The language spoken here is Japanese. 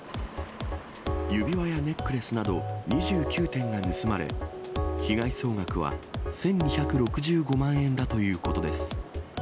指輪やネックレスなど２９点が盗まれ、被害総額は１２６５万円だということです。